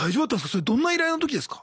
それどんな依頼の時ですか？